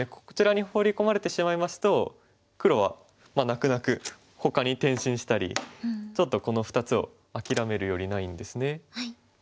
こちらにホウリ込まれてしまいますと黒は泣く泣くほかに転進したりちょっとこの２つを諦めるよりないんですね。